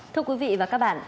thưa quý vị và các bạn